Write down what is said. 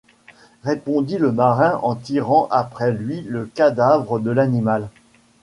répondit le marin en tirant après lui le cadavre de l'animal.